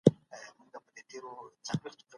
بڼوال د ونو مړاوې پاڼې پرې کړې.